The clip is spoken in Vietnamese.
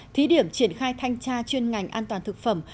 thí điểm triển khai thanh tra chuyên ngành an toàn thực phẩm